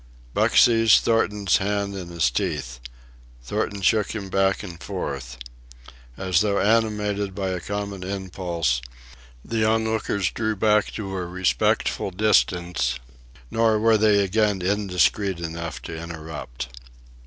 Buck seized Thornton's hand in his teeth. Thornton shook him back and forth. As though animated by a common impulse, the onlookers drew back to a respectful distance; nor were they again indiscreet enough to interrupt.